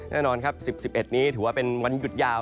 แน่นอนครับ๑๐๑๑นี้ถือว่าเป็นวันหยุดยาว